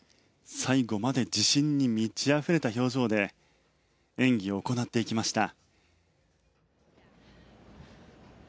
最後まで自信に満ち溢れた表情で演技を行っていきました。